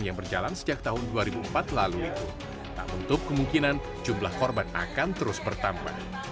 yang berjalan sejak tahun dua ribu empat lalu itu tak bentuk kemungkinan jumlah korban akan terus bertambah